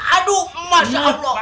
aduh masya allah